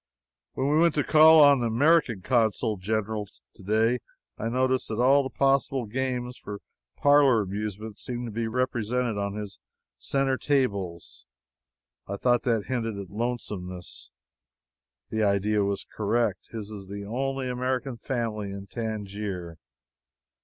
When we went to call on our American Consul General today I noticed that all possible games for parlor amusement seemed to be represented on his center tables. I thought that hinted at lonesomeness. The idea was correct. His is the only American family in Tangier.